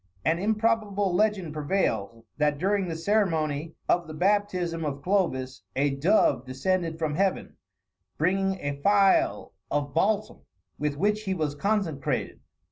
An improbable legend prevails, that during the ceremony of the baptism of Clovis, a dove descended from Heaven, bringing a phial of balsam, with which he was consecrated.